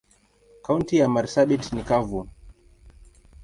Kaunti ya marsabit ni kavu.